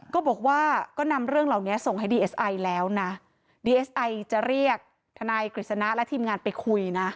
ก็บอกว่าก็นำเรื่องเหล่านี้ส่งให้ดีเอสไอแล้วนะดีเอสไอจะเรียกทนายกฤษณะและทีมงานไปคุยนะ